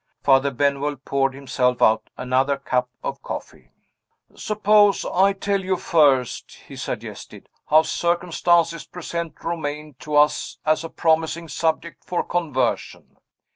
Father Benwell poured himself out another cup of coffee. "Suppose I tell you first," he suggested, "how circumstances present Romayne to us as a promising subject for conversion.